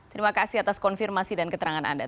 terima kasih atas konfirmasi dan keterangan anda